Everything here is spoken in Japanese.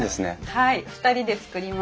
はい２人で作りました。